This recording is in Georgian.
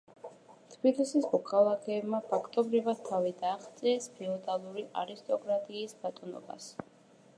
თბილისის მოქალაქეებმა ფაქტობრივად თავი დააღწიეს ფეოდალური არისტოკრატიის ბატონობას.